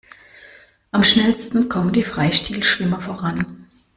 Am schnellsten kommen die Freistil-Schwimmer voran.